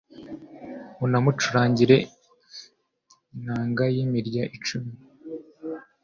munamucurangire inanga y’imirya cumi